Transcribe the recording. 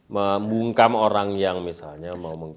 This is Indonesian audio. memungkam orang yang misalnya